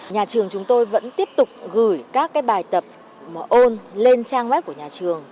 nhà trường chúng tôi vẫn tiếp tục gửi các bài tập ôn lên trang web của nhà trường